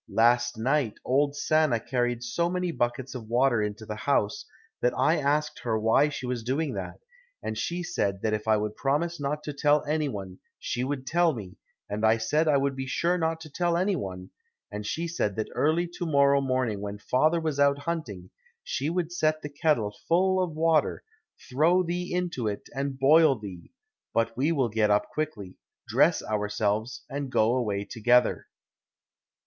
Last night, old Sanna carried so many buckets of water into the house that I asked her why she was doing that, and she said that if I would promise not to tell any one she would tell me, and I said I would be sure not to tell any one, and she said that early to morrow morning when father was out hunting, she would set the kettle full of water, throw thee into it and boil thee; but we will get up quickly, dress ourselves, and go away together."